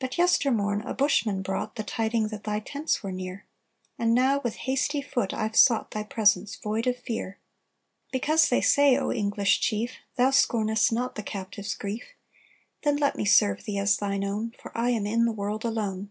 "But yester morn a Bushman brought The tidings that thy tents were near; And now with hasty foot I've sought Thy presence, void of fear; Because they say, O English chief, Thou scornest not the captive's grief: Then let me serve thee, as thine own For I am in the world alone!"